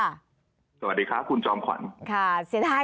สวัสดีค่ะครูนจอมขวัญ